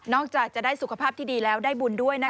จากจะได้สุขภาพที่ดีแล้วได้บุญด้วยนะคะ